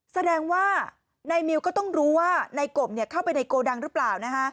แสดงว่านายมิวก็ต้องรู้ว่านายกบเข้าไปในโกดังหรือเปล่า